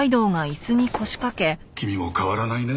君も変わらないね。